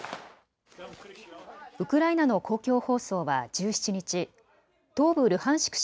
ウクライナの公共放送は１７日、東部ルハンシク